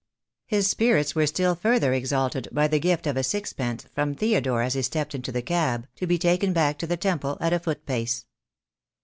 His spirits were still further exalted by the gift of sixpence from Theodore as he stepped into the cab , to be taken back to the Temple at a foot pace.